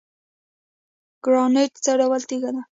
ګرانیټ څه ډول تیږه ده؟